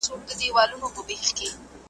پۀ رسوایۍ د ځان خبر یم خو ځان تېر اړووم